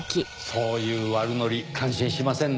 そういう悪ノリ感心しませんねぇ。